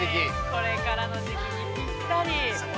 ◆これからの時期にぴったり。